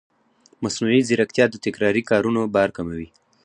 مصنوعي ځیرکتیا د تکراري کارونو بار کموي.